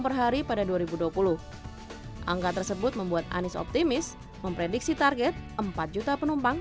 perhari pada dua ribu dua puluh angka tersebut membuat anies optimis memprediksi target empat juta penumpang